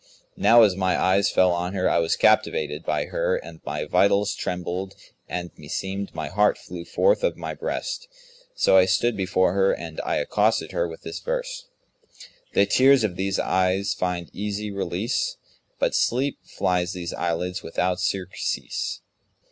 Now as my eyes fell on her, I was captivated by her and my vitals trembled and meseemed my heart flew forth of my breast; so I stood before her and I accosted her with this verse, 'The tears of these eyes find easy release; * But sleep flies these eyelids without surcease.'